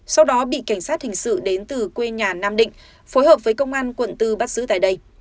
sau đó bị cảnh sát hình sự đến từ quê nhà nam định phối hợp với công an quận bốn bắt giữ tại đây